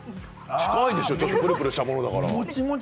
近いでしょう、ちょっとプルプルしたものだから。